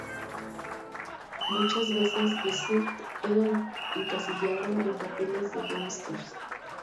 Muchas veces Vincent era encasillado en papeles de gánster.